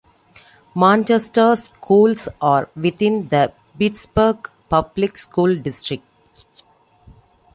Manchester's schools are within the Pittsburgh Public School District.